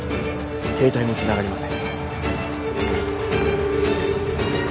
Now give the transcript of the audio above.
・携帯もつながりません